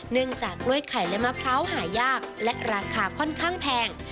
เนื่องจากกล้วยไข่และมะพร้าวหายากและราคาค่อนข้างแพง